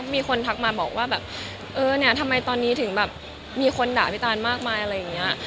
มีคนทักมาบอกว่าแบบเออเนี่ยทำไมตอนนี้ถึงแบบมีคนด่าพี่ตานมากมายอะไรอย่างนี้